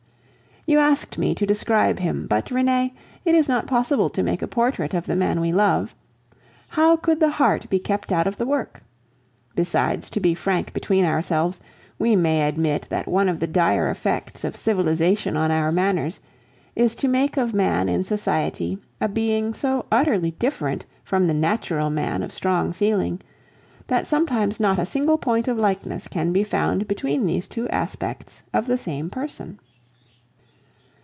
You asked me to describe him; but, Renee, it is not possible to make a portrait of the man we love. How could the heart be kept out of the work? Besides, to be frank between ourselves, we may admit that one of the dire effects of civilization on our manners is to make of man in society a being so utterly different from the natural man of strong feeling, that sometimes not a single point of likeness can be found between these two aspects of the same person.